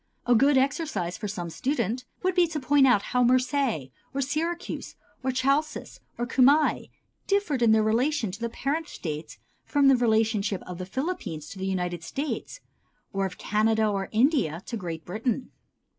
A good exercise for some student would be to point out how Marseilles, or Syracuse or Chalcis or Cumæ differed in their relations to the parent States from the relationship of the Philippines to the United States, or of Canada or India to Great Britain.